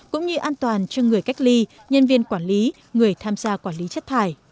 cũng như an toàn cho người cách ly nhân viên quản lý người tham gia quản lý chất thải